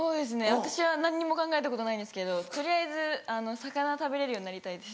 私は何にも考えたことないんですけど取りあえず魚食べれるようになりたいです。